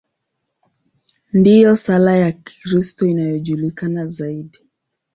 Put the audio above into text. Ndiyo sala ya Kikristo inayojulikana zaidi.